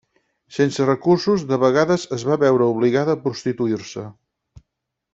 Sense recursos, de vegades es va veure obligada a prostituir-se.